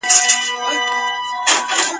څلور واړه یې یوه یوه ګوله کړه ..